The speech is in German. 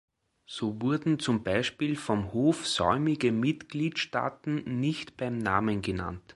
So wurden zum Beispiel vom Hof säumige Mitgliedstaaten nicht beim Namen genannt.